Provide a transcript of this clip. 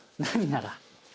何なら？